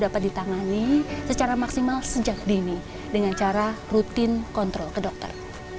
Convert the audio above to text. dapat ditangani secara maksimal sejak dini dengan cara rutin kontrol ke dokter